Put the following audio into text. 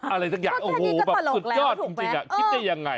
อะไรสักอย่างโอ้โหแบบสุดยอดจริงคิดได้ยังไง